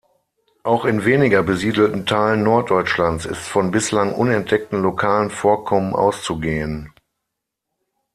Auch in weniger besiedelten Teilen Norddeutschlands ist von bislang unentdeckten lokalen Vorkommen auszugehen.